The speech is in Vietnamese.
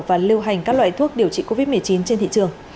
và lưu hành các loại thuốc điều trị covid một mươi chín trên thị trường